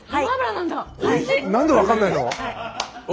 なんで分かんないの？